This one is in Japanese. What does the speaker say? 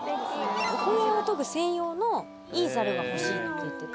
お米を研ぐ専用のいいざるが欲しいって言ってて。